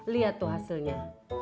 lihat tuh hasilnya